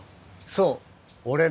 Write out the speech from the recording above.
そう俺ね